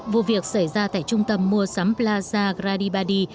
vụ việc xảy ra tại trung tâm mua sắm plaza gradibady